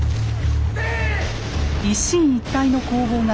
一進一退の攻防が続く中